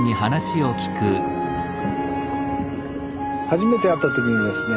初めて会った時にですね